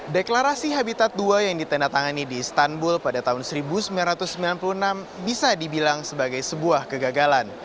deklarasi habitat dua yang ditandatangani di istanbul pada tahun seribu sembilan ratus sembilan puluh enam bisa dibilang sebagai sebuah kegagalan